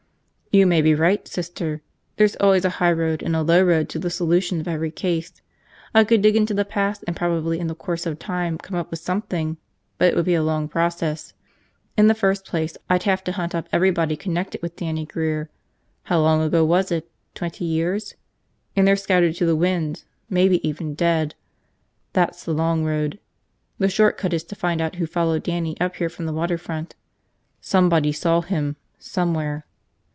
"You may be right, Sister. There's always a high road and a low road to the solution of every case. I could dig into the past and probably in the course of time come up with something, but it would be a long process. In the first place I'd have to hunt up everybody connected with Dannie Grear – how long ago was it, twenty years? And they're scattered to the winds, maybe even dead. That's the long road. The short cut is to find out who followed Dannie up here from the water front. Somebody saw him, somewhere.